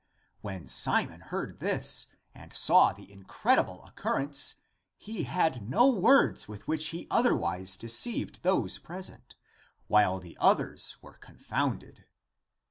When Simon heard this and saw the incredible oc currence, he had no words with which he otherwise deceived those present, while the others were con founded.